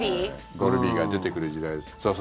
ゴルビーが出てくる時代です。